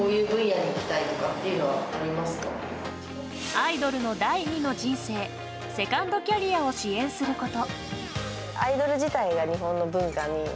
アイドルの第二の人生セカンドキャリアを支援すること。